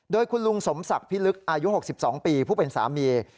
โดยคุณลุงสมศักดิ์พิลึกอายุ๖๒ปีผู้เป็นสามี